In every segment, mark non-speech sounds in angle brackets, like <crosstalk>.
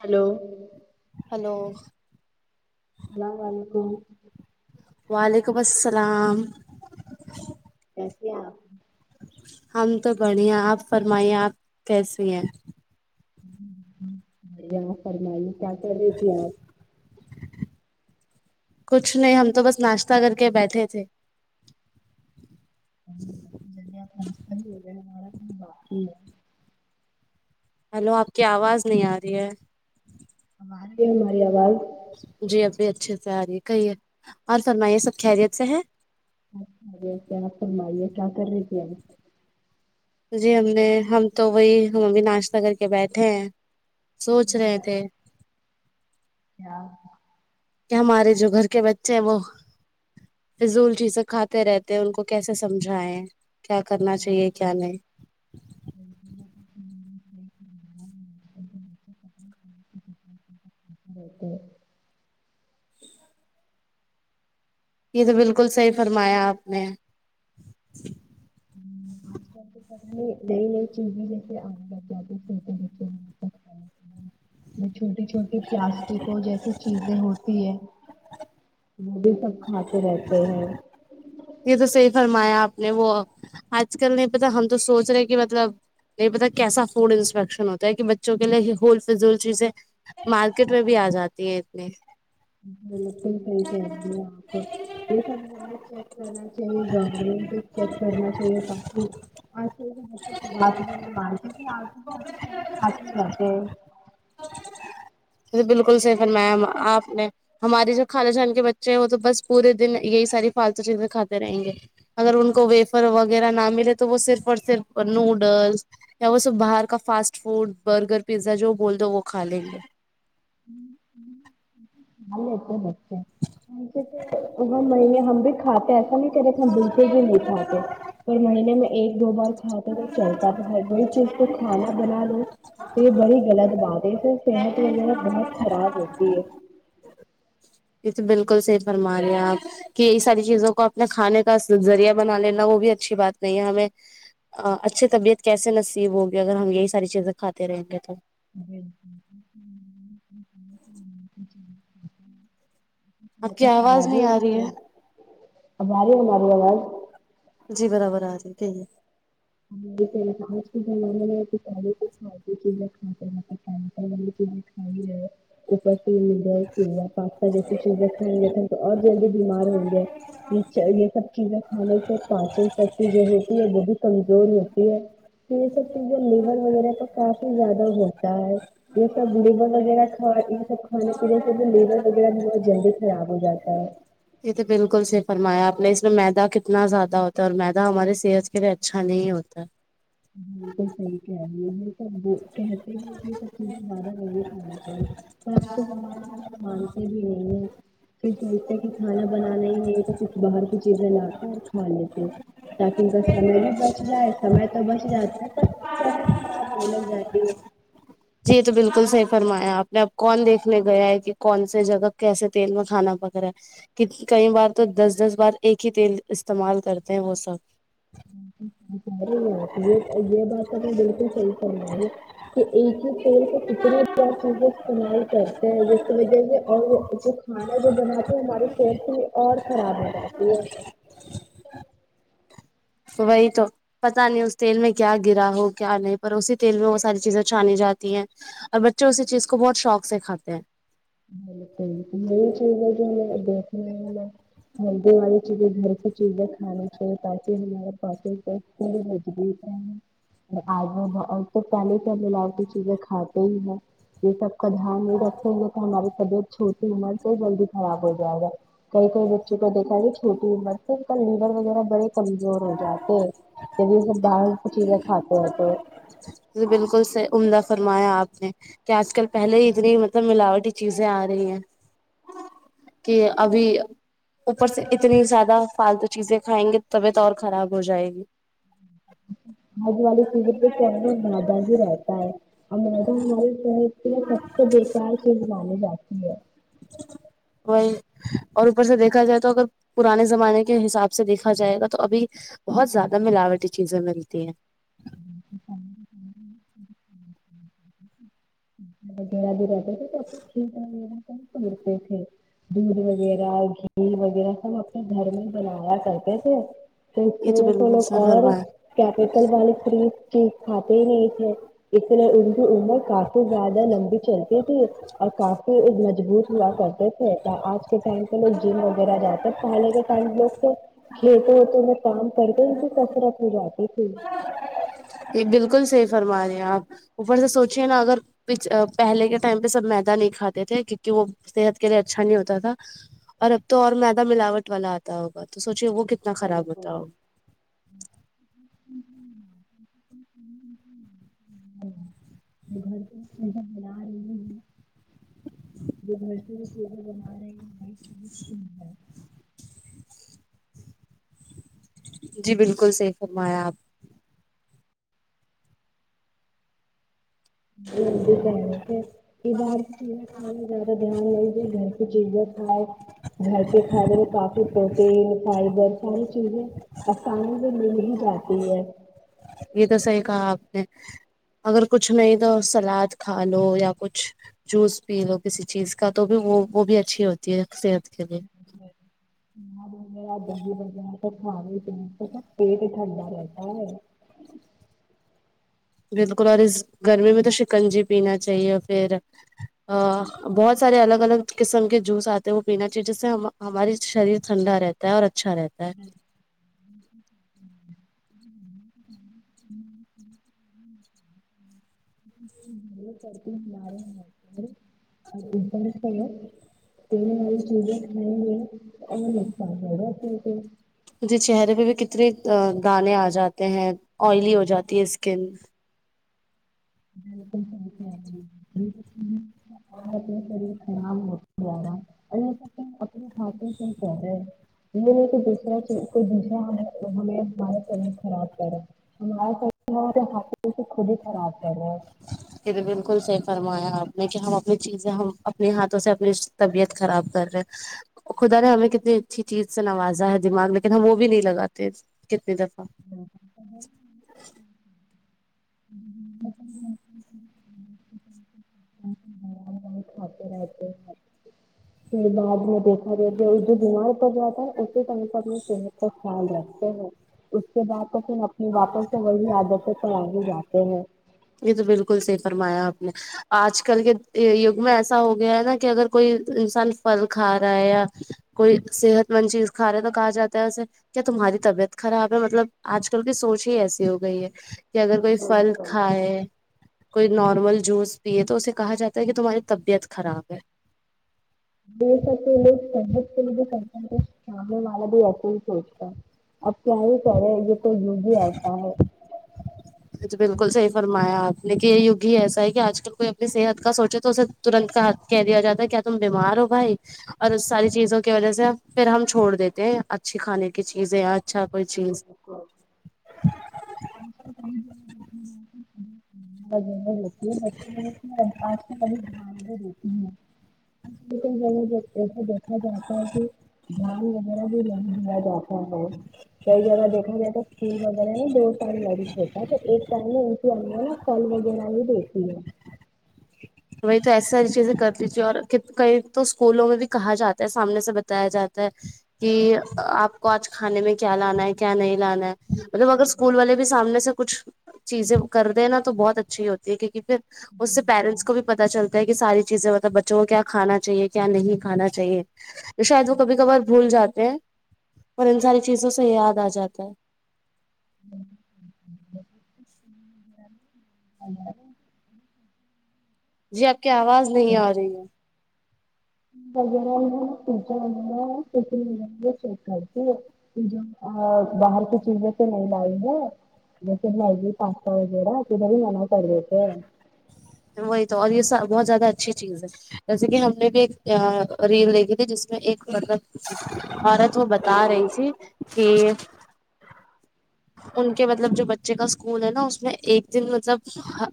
hello hello السلام و علیکم وعلیکم السلام کیسی ہے آپ ہم تو بڑھیا آپ فرمائیے آپ کیسیے ہیں بھڑیا فرمائی کیا کر رہی تھی آپ کچھ نہیں ہم تو بس ناشتہ کر کے بیٹھے تھے <unintelligible> <unintelligible> ہلو آپ کی آواز نہیں آ رہی ہے آرہی ہے میری آواز جی اب بھی اچھے سے آ رہی ہے کہیے اور فرمائیے سب خیریت سے ہے اچگے کیا فرمائیے کیا کر رہی تھی ہم جی ہم نے ہم تو وہی ہم ابمی ناشتہ کر کے بیٹھے ہیں سوچ رہے ہمارا تھے کیا کہ ہمارے جو گھر کے بچے ہیں وہ فضول چیزیں کھاتے رہتے ہیں ان کو کیسے سمجھائے <inaudible> <inaudible> یہ تو بالکل صحیح فرمایا آپ نے آج کل تو پتہ نئی نئی چیزیں جیسے آنے لیاد سوتے بےھ چھوٹی چھوٹی پلاسٹکوں جیسی چیزیں ہوتی ہے بو سب کھاتے رہتے ہیں یہ تو صحیح فرمایا آپ نے وہ آج کل نہیں پتا ہم تو سوچ رہے کہ مطلب نہیں پتا کیسا فوڈ انسپیکشن ہوتا ہے کہ بچوں کے لیے ہوول فضول چیزیں مارکیٹ میں بھی آ جاتی ہیں اتنی بالکل صحیح کہہ رہی ہیں اپ یہ سب ہونے چاہیے کرنا چاہیے گورنمنٹ کو چیک کرنا چاہیے تاک بات نہیں مانتی آ جے جاتے ہے بالکل صحیح فرمایا آپ نے ہمارے جو خال جان کے بچے ہیں وہ تو بس پورے دن یہی ساری فالتو چیزیں کھاتے رہیں گے اگر ان کو ویفر وغیرہ نہ ملے تو وہ صرف اور صرف نوڈلس یا وہ سب باہر کا فاسٹ فوڈ برگر پیزا جو بول دو وہ کھا لیں گے لیتے ہیں بچے تو نہیں ہم بھی کھاتے ہیں نہیں کرے ہم بالکل ہی نہیں کھاتے اور مہینے میں ایک دو بار کھاتے تو چلتا ہے وہی چیز تو کھانا بنا لو یہ بڑی غلط بات ہے اس سے صحت وغیرہ بہت خراب ہوتی ہے یہ تو بالکل صحیح فرما رہے ہیں آپ کہ یہ ساری چیزوں کو اپنے کھانے کا ذریعہ بنا لینا وہ بھی اچھی بات نہیں ہے ہمیں اچھی طبیعت کیسے نصیب ہوگی اگر ہم یہی ساری چیزیں کھاتے رہیں گے تو <inaudible> اپ بہت کی آواز خرابی نہیں آ رہی ہوتی ہے اب ا رہی ہے ہماری اواز جی برابر آ جاتی آج کے زمانے میں کہ پہلے پہلے کے زمانے میں کھاد والی چیزیں کھائی ہیں اور اج ہم کیمیکل والی چیزیں کھا رہے ہیں اوپر سے پاستا جیسی چیزیں کھائیں گے تھے تو اور جلدی بیمار ہوں گے یہ سب چیزیں کھانے سے پاچن سکتی جو ہوتی ہے وہ بھی جوری ہوتی ہے جیسی چیز لیون وغیرہ تو کافی زیادہ ہوتا ہے یہ سب لیبر وغیرہ اور یہ سب کھانے پینے سے لیور وغیرہ بہت جلدی خراب ہو جاتا <unintelligible> یہ تو بالکل صحیح فرمایا آپ نے اس میں میدہ کتنا زیادہ ہوتا ہے اور میدہ ہماری صحت کے لیے اچھا نہیں ہوتا بالکل صحیح کہہ رہی یہ سب کہتے ہیں کہ یہ سب چیزیں زیادہ نہیں کھانی چاہییں آج کل ہمارے لوگ مانتے بھی نہیں ہیں پھر سوچتے کہ کھانا بنانا ہی نہیں تو کھر باہر کی چیزیں لاتے اور کھا لیتے تاکہ ان کا سمے بھی بچ جائے سمے تو بچ جاتا پر صحت خراب ہونے لگ جاتی ہے جی یہ تو بالکل صحیح فرمایا آپ نے اب کون دیکھنے گیا ہے کہ کون سے جگہ کیسے تیل میں کھانا پکڑا ہے کہ کئی بار تو دس دس بار ایک ہی تیل استعمال کرتے ہیں وہ سب ارے آپ یہ یہ بات بالکل صحیح فرمایا کہ ایک ہی تیل سے کتنی چیزیں استعمال کرتے ہیں جس کی وجہ سے اور جو کھانا جو بناتے ہیں ہماری صحت کے لیے اور خراب ہو جاتی ہے تو وہی تو پتاہ نہیں اس تیل میں کیا گرا ہو کیا نہیں پر اسی تیل میں وہ ساری چیزیں چھانی جاتی ہیں اور بچے اسی چیز کو بہت شوق سے کھاتے ہیں یہ چیزیں جو ہے دیکھنے ہیں ہیلدی والی چیزیں گھر کی چیزیں کھانی چاہیے تاکہ ہمارے پانچ ان تنتر مجبوت آج تو پہلے کے ملاوٹی کی چیزیں کھاتے ہی ہیں یہ سب کا دھیان نہیں رکھتے ہیں تو ہماری طبیعت چھوٹی عمر سے جلدی خراب ہو جائے گا کئی کئی بچوں کو دیکھا گ چھوٹی عمر سے ان کا لیور وغیرہ بڑے کمزور ہو جاتے ہیں بھیب باہ پ چ ا تو ا تو ج بالکل صح عمدہ فرمایا آپ کہ آج کل پہلے ہی اتنی مطلب ملاوٹی چیزیں آ رہی ہیں کہ ابھی اوپر سے اتنی زیادہ فالتو چیزیں کھائیں گے طبیعت اور خراب ہو جائے گی آج والی چیزوں پ اندر مدا بھی رہتا ہے اور مدا ہمارے سب سے بیکار چیز مانی جاتی جی وہ اور اوپر سے دیکھا جائے تو اگر پرانے زمانے کے حساب سے دیکھا جائے گا تو ابھی بہت زیادہ ملاوٹی چیزیں ملتی ہے وغہ بھی رہتے تھے تو کھیل وغیرہ پتے تھے دودھ وغیرہ گھیل وغیرہ سب اپنے گھر میں بنایا کرتے تھے س یہ تو بالکل لوگ صحیح اور فرمایا کیپٹل وال پریت چیز کھاتے نہیں تھے اس لیے ان کی عمر کافی زیادہ لمبی چلتی تھی اور کافی مضبوط ہوا کرتے تھے آج کے ٹائم پہ لوگ جم وغیرہ جاتے پہلے کے ٹائم لوگ تو کھیتوں وتوں میں کام کرتے ان کی کثرت ہو جاتی تھی یہ بالکل سیفر ہمارے یہ آپ اوپر سے سوچیے نا اگر پہلے کے ٹائم پہ سب میدا نہیں کھاتے تھے کیونکہ وہ صحت کے لیے اچھا نہیں ہوتا تھا اور اب تو اور مدا ملاوٹ والا آتا ہوگا تو سوچے وہ ک ر س گھر رہ جورسٹی بن رہے ب سندر ہے جی بالکل سیف ہم ہمیا آپ نہیں ہم بھی کہہ رہے تھے کہ باہر کی چیزیں کھانے زیادہ دھیان نہیں دے گھر کی چیزیں نہیں گھر کے کھانے میں کافی پروٹین فائبر ساری چیزیں آسانی سے مل ہی جاتی ہے یہ تو صحیح کہا آپ نے اگر کچھ نہیں تو سلاد کھا لو یا کچھ جوس پی لو کسی چیز کا تو بھی وہ وہ بھی اچھی ہوتی ہے صحت کے لیے دہ ہی بیا تو کھے پینے پ پیٹ ٹنڈا رہتا ہے بالکل اور اس گرمی میں تو شکنجی پینا چاہیے پھر بہت سارے الگ الگ قسم کے جوس آتے ہیں وہ پینا چاہیے جس سے ہماراری شریر ٹھنڈا رہتا ہے اور اچھا رہتا ہے ہ یہ کرتی سلا رہے ہیں اور اپر ہ ہ ساری چیزیں کھائیں گے اور لگتاا گا پ ج مجھے چہرے پہ بھی کتنے دانے آ جاتے ہیں آئلی ہو جاتی ہے اسکن خراب ہوا ال اپنے ہاتھوں سے کہ رہے یہ ہے کہ دورا کوئی دوسرا ہم ہمارا شری خراب کرے ہماراھوں خود ہی خراب کر رہے ک تو بالکل صحی فرمایا آپ نے کہ ہم اپنی چیزیں ہم اپنے ہاتھوں سے اپنی طبیعت خراب کر رہے ہیں خدا نے ہمیں کتنی اچھی چیز سے نوازا ہے دماغ لیکن ہم وہ بھی نہیں لگاتے کتنی دف ج کھات رہتے پھر بعد میں دیکھ ارے جو ا جو بیماروپر جاتا ہے اسے سم تو اپنی صحت کا خیال رکھتے ہیں اس کے بعد تو پھر نہیں واپس تو وہی آادت ہے تو آگے جاتے ہیں یہ تو بالکل صحی فرمایا آپ نے آج کل کے یگ میں ایسا ہو گیا ہے نا کہ اگر کوئی انسان پھل کھا رہا ہے یا کوئی صحت مند چیز کھا رہا ہے تو کہا جاتا ہے اسے کیا تمہاری طبیعت خراب ہے مطلب آج کل کی سوچ ہی ایسی ہو گئی ہے کہ اگر کوئی پھل کھائے کوئی نارمل جوس پیے تو اسے کہا جاتا ہے کہ تمہاری طبیعت خراب ہے ج کے لوگ سنگت کے لیے بھی س شامنے والا بھی ایسے ہی سوچتا ہے اب کیا ہی کہہ رہے تو یو بھی ہی آتا ہے یہ تو بالکل صحیح فرمایا آپ لیکن یہ یوگ ہی ایسا ہے کہ آج کل کوئی اپنی صحت کا سوچے تو اسے ترنت کا کہہ دیا جاتا ہے کیا تم بیمار ہو بھائی اور اس ساری چیزوں کی وجہ سے پھر ہم چھوڑ دیتے ہیں اچھی کھانے کی چیزیں اچھا کوئی ج چیز ا جے رہتی ہے بچوں م آج کل بڑی ڈمائڈیں دیتی ہیں <inaudible> دیکھا جاتا ہے کہ دھیان وغیرہ بھی نہیں د جاتا ہے <inaudible> کئی جگہ دیکھا جائے تو اسکول وغیرہ نا دو ٹائم میرج ہوتا ہے تو ایک ٹائم میں ان کی اا نا کل وغیرہ ہی دیکھتی ہے وہی تو ایسی ساری چیزیں کرتی تھی اور کہیں تو اسکولوں میں بھی کہا جاتا ہے سامنے سے بتایا جاتا ہے کہ آپ کو آج کھانے میں کیا لانا ہے کیا نہیں لانا ہے مطلب اگر اسکول والے بھی سامنے سے کچھ چیزیں کر د نا تو بہت اچھی ہوتی ہے کیونکہ پھر اس سے پیرنٹس کو بھی پتتا چلتا ہے کہ ساری چیزیں مطلب بچوں کو کیا کھانا چاہیے کیا نہیں کھانا چاہیے شاید وہ کبھی کبھار بھول جاتے ہیں اور ان ساری چیزوں سے یاد آ جاتا ہے جی آپ کی آواز نہیں آ رہی ہے وغیرہ وغیرہ ک کر باہر کی چیز سے نہیں لائی ہے جیسے میگی پاستا وغیرہ کدھر بھی مناع کر دیتے <inaudible> وہی تو اور یہ سب بہت زیادہ اچھی چیز ہے جیسے کہ ہم نے بھی ایک ریل دیکھی تھی جس میں ایک م عورت وہ بتا رہی تھی کہ ان کے مطلب جو بچے کا اسکول ہے نا اس میں ایک دن مطلب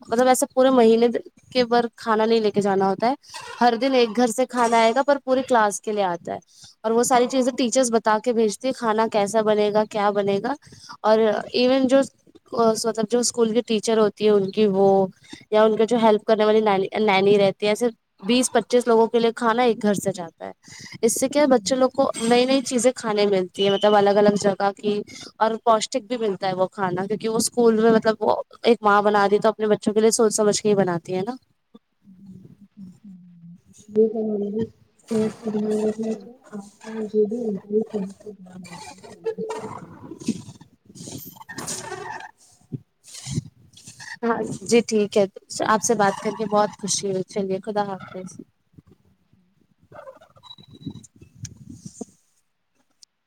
مطلب ایسا پورے مہینے کے ب کھانا نہیں لے کے جانا ہوتا ہے ہر دن ایک گھر سے کھانا آئے گا پر پورے کلاس کے لیے آتا ہے اور وہ ساری چیزیں ٹیچر بتا کے بھیجتی ہے کھانا کیسا بنے گا کیا بنے گا اور ایون جو مطلب جو اسکول کی ٹیچر ہوتی ہے ان کی وہ یا ان کا جو ہیلپ کرنے والی نانی رہتی ہے صرف بیس پچیس لوگوں کے لیے کھانا ایک گھر سے جاتا ہے اس سے کیا ہے بچوں لوگ کو نئی نئی چیزیں کھانے ملتی ہیں مطلب الگ الگ جگہ کی اور پ بھی ملتا ہے وہ کھانا کیونکہ وہ اسکول میں مطلب ایک ماں بناتی ہے تو اپنے بچوں کے لیے سوچ سمجھ کے ہی بناتی ہے نا یہ کر آ بھی <inaudible> ہوں <inaudible> ہاں جی ٹھیک ہے آپ سے بات کر کے بہت خوشی ہو چلیے خدا حافظ ھم <unintelligible>